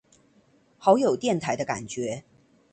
好有電台的感覺